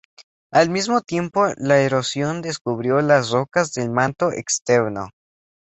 Al mismo tiempo, la erosión descubrió las rocas del manto externo.